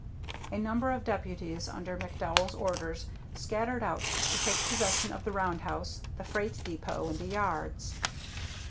A number of deputies under McDowell's orders scattered out to take possession of the roundhouse, the freight depot, and the yards.